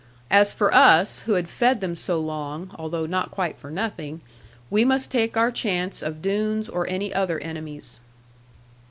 As for us, who had fed them so long (although not quite for nothing), we must take our chance of Doones, or any other enemies.